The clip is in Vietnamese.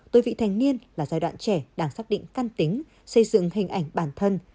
tôi vị thành niên là giai đoạn trẻ đang xác định căn tính xây dựng hình ảnh bản thân